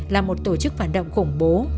là một tổ chức phản động khủng bố